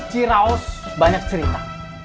ciraus banyak cerita